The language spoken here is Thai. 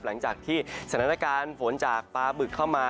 หลังจากที่สถานการณ์ฝนจากปลาบึกเข้ามา